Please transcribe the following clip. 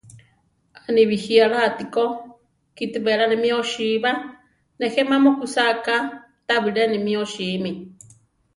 A ni bijí alá atíko, kiti beláni mí osíba; nejé ma mukúsa ka, tabilé ni mi osími.